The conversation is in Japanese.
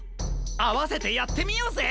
あわせてやってみようぜ！